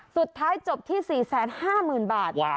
สุดท้ายจบที่๔๕หมื่นบาท